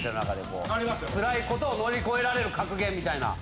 つらいことを乗り越えられる格言みたいな。